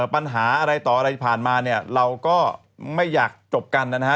ปัญหาอะไรต่ออะไรผ่านมาเนี่ยเราก็ไม่อยากจบกันนะฮะ